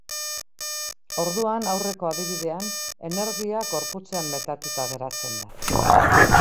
Orduan, aurreko adibidean, energia gorputzean metatuta geratzen da.